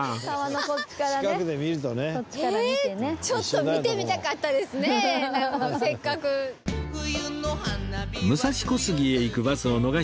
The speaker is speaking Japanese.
ちょっと見てみたかったですね